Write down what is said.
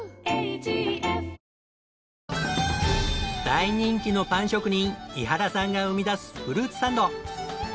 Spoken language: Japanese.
大人気のパン職人伊原さんが生み出すフルーツサンド。